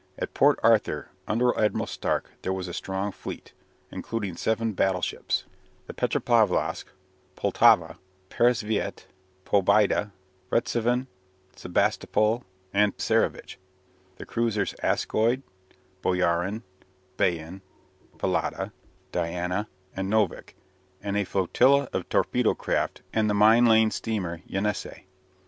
At Port Arthur, under Admiral Stark, there was a strong fleet, including seven battleships, the "Petropavlosk," "Poltava," "Peresviet," "Pobieda," "Retsivan," "Sebastopol," and "Tsarevitch," the cruisers "Askold," "Boyarin," "Bayan," "Pallada," "Diana," and "Novik," and a flotilla of torpedo craft and the mine laying steamer "Yenessei."